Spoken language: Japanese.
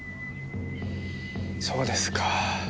そうですか。